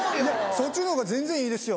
そっちのほうが全然いいですよ。